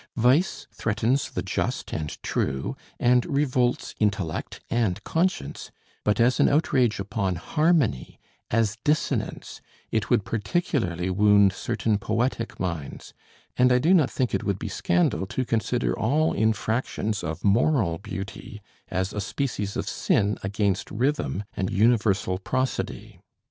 Vice threatens the just and true, and revolts intellect and conscience; but as an outrage upon harmony, as dissonance, it would particularly wound certain poetic minds, and I do not think it would be scandal to consider all infractions of moral beauty as a species of sin against rhythm and universal prosody.